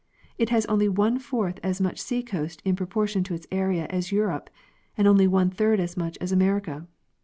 It has only one fourth as much sea coast in proportion to its area as Europe, and only one third as much as America.